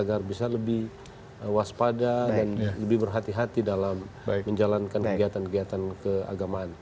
agar bisa lebih waspada dan lebih berhati hati dalam menjalankan kegiatan kegiatan keagamaan